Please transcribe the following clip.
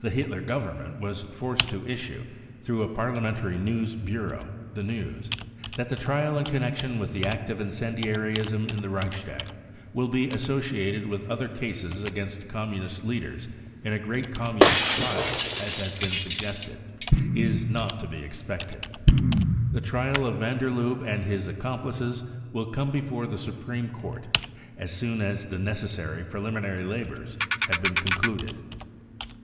The Hitler Government was forced to issue, through a parliamentary news bureau, the news :" That the trial in connection with the act of incendiarism in the Reichstag will be associated with other cases 0 against Communist leaders in a great Communist trial, as has been suggested, is not to be expected. The trial of van der Lubbe and his accomplices will come before the Supreme Court as soon as the necessary preliminary labours have been concluded."